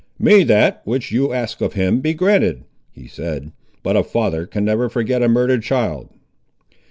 "May that, which you ask of Him, be granted," he said; "but a father can never forget a murdered child."